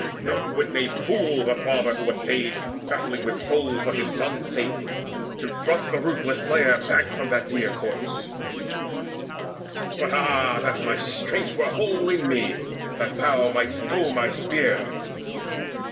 None would name fool the father who essayed, Battling with foes for his son's sake, to thrust The ruthless slayer back from that dear corpse, But ah that yet my strength were whole in me, That thou might'st know my spear!